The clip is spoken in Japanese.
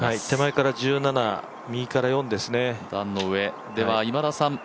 手前から１７、右から４ですね。